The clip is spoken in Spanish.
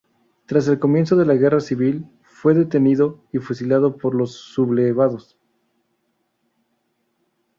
Tras el comienzo de la guerra civil, fue detenido y fusilado por los sublevados.